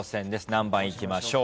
何番いきましょう？